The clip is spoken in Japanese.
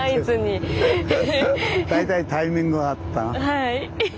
はい。